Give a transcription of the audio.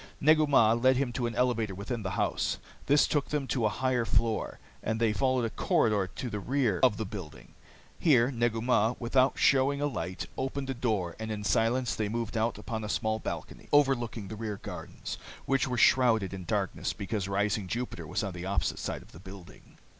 Negu Mah led him to an elevator within the house. This took them to a higher floor, and there they followed a corridor to the rear of the building. Here Negu Mah, without showing a light, opened a door, and in silence they moved out upon a small balcony overlooking the rear gardens, which were shrouded in darkness because rising Jupiter was on the opposite side of the building.